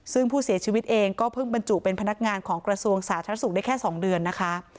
ซึ่งผู้เสียชีวิตเองก็เพิ่งบรรจุเป็นพนักงานของกระทรวงสาธารณสุขได้แค่๒เดือนนะคะ